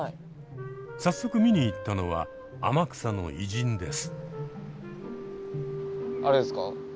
早速見に行ったのは天草の偉人です。